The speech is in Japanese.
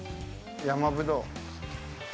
山ぶどう。